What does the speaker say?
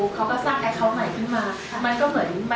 เขาก็สร้างแอคเคาท์ใหม่ขึ้นมา